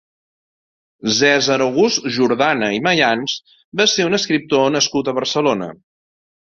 Cèsar August Jordana i Mayans va ser un escriptor nascut a Barcelona.